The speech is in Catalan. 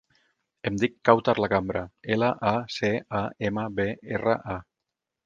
Em dic Kawtar Lacambra: ela, a, ce, a, ema, be, erra, a.